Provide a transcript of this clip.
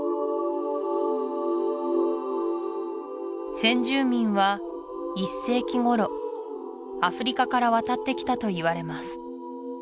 先住民は１世紀頃アフリカから渡ってきたといわれます